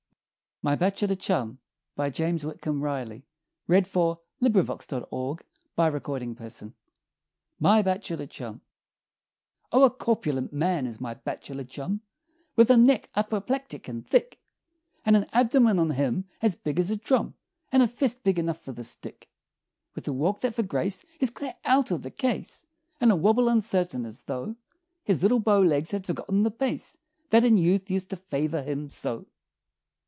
The editor of the Pizenweed had demonstrated at he could drink or he could let it alone. My Bachelor Chum O a corpulent man is my bachelor chum, With a neck apoplectic and thick, And an abdomen on him as big as a drum, And a fist big enough for the stick; With a walk that for grace is clear out of the case, And a wobble uncertain as though His little bow legs had forgotten the pace That in youth used to favor him so.